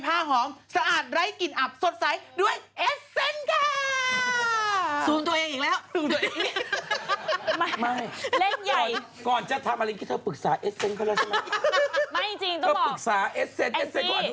ไม่จริงต้องบอกเธอปรึกษาเอสเซ็งก์เอสเซ็งก์ก่อนอย่างนี้